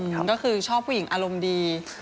ก็คือชอบผู้หญิงอารมณ์ดี